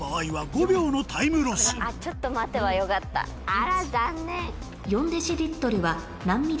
あら残念。